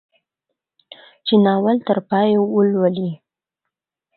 چې ناول تر پايه ولولي.